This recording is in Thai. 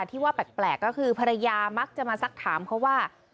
ที่ว่าแปลกก็คือภรรยามักจะมาสักถามเขาว่า